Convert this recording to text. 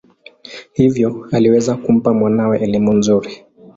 Hivyo aliweza kumpa mwanawe elimu nzuri.